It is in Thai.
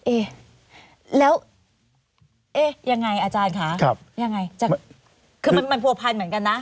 เอ๊ะแล้วเอ๊ะยังไงอาจารย์คะยังไงคือมันผัวพันเหมือนกันนะ